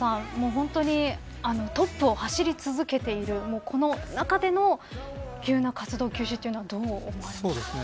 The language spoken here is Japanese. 本当にトップを走り続けているこの中での急な活動休止というのはどう思われますか。